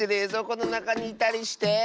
このなかにいたりして。